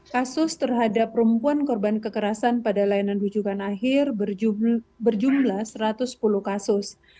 kasus terhadap perempuan korban kekerasan pada layanan rujukan akhir berjumlah satu ratus sepuluh kasus